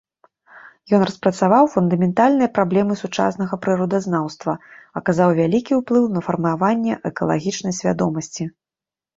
Ён распрацаваў фундаментальныя праблемы сучаснага прыродазнаўства, аказаў вялікі ўплыў на фармаванне экалагічнай свядомасці.